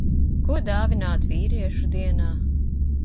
Ko dāvināt vīriešu dienā?